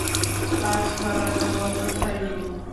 কাজ করার মতো অবস্থায় নেই।